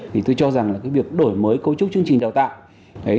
thì tôi cho rằng là cái việc đổi mới cấu trúc chương trình đào tạo